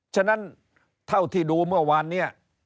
ฉะนั้นเท่าที่ดูเมื่อวานเนี่ย